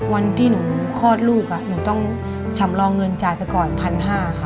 วันที่หนูคลอดลูกหนูต้องสำรองเงินจ่ายไปก่อน๑๕๐๐บาทค่ะ